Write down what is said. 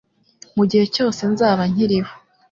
mu gihe cyose nzaba nkiriho